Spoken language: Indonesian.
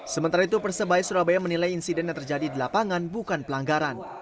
sementara itu persebaya surabaya menilai insiden yang terjadi di lapangan bukan pelanggaran